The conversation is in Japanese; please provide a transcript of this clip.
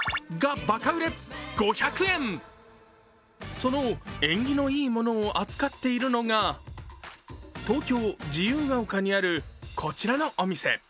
その縁起のいいものを扱っているのが東京・自由が丘にあるこちらのお店。